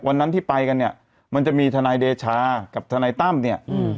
วันนั้นที่ไปกันเนี่ยมันจะมีทนายเดชากับทนายตั้มเนี่ยอืม